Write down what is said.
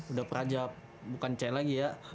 udah prajab bukan ceh lagi ya